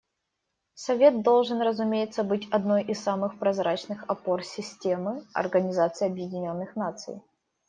Совет должен, разумеется, быть одной из самых прозрачных опор системы Организации Объединенных Наций.